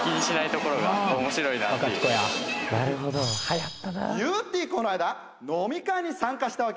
この間飲み会に参加したわけ。